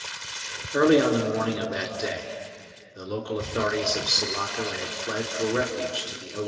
Early on the morning of that day the local authorities of Sulaco had fled for refuge to the O.